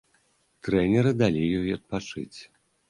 Трэнеры далі ёй адпачыць.